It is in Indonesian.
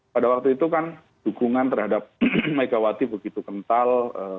pada waktu itu kan dukungan terhadap megawati begitu kental